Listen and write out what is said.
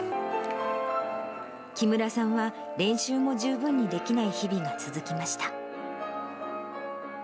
木村さんは練習も十分にできない日々が続きました。